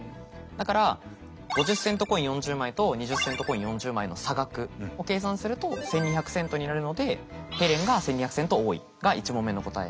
だから５０セントコイン４０枚と２０セントコイン４０枚の差額を計算すると１，２００セントになるのでが１問目の答え。